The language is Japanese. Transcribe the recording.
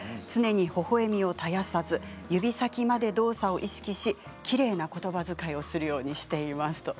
常にほほえみを絶やさず指先まで動作を意識しきれいなことばづかいをするようにしています。